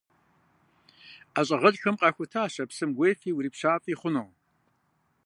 Ӏэщӏагъэлӏхэм къахутащ а псым уефи урипщафӏи хъуну.